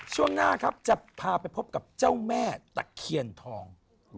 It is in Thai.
ช่วงหน้าครับจะพาไปพบกับเจ้าแม่ตะเคียนทอง